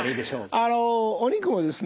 あのお肉もですね